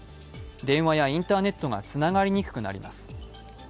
電話やインターネットがつながりにくくなります。